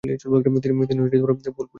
তিনি বহুল পরিচিত।